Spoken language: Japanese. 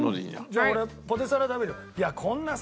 じゃあ俺ポテサラ食べる。